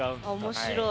面白い。